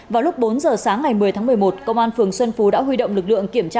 vào lúc bốn giờ sáng ngày một mươi tháng một mươi một công an phường xuân phú đã huy động lực lượng kiểm tra